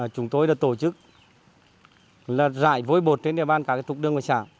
chúng tôi đã tổ chức rải vối bột trên địa bàn các tục đường của xã